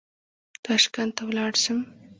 تاشکند ته ولاړ شم.